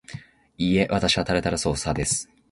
いいえ、わたしはタルタルソース派です